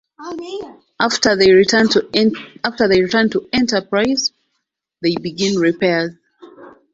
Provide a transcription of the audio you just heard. After they return to "Enterprise" they begin repairs.